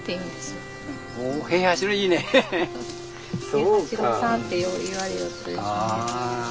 平八郎さんってよう言われよったですね。